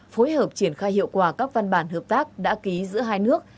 phối hợp triển khai hiệu quả các văn bản hợp tác đã ký giữa hai nước